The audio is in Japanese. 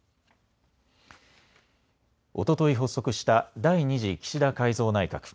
おととい発足した第２次岸田改造内閣。